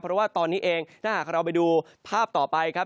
เพราะว่าตอนนี้เองถ้าหากเราไปดูภาพต่อไปครับ